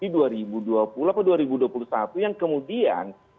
di dua ribu dua puluh atau dua ribu dua puluh satu yang kemudian